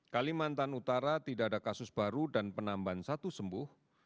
kalimantan utara tidak ada kasus baru dan penambahan satu sembuh